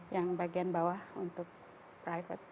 yang bagian bawah untuk private